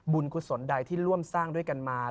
กุศลใดที่ร่วมสร้างด้วยกันมา